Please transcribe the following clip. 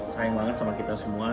sayang banget sama kita semua